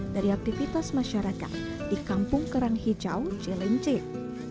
dari aktivitas masyarakat di kampung kerang hijau cilincing